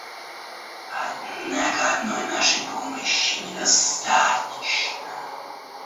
Однако одной нашей помощи недостаточно.